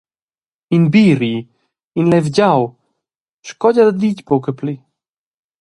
In bi rir, in levgiau, sco gia daditg buca pli.